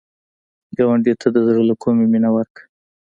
ګاونډي ته د زړه له کومي مینه ورکړه